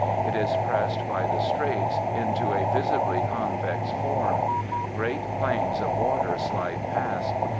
It is pressed by the straits into a visibly convex form. Great planes of water slide past.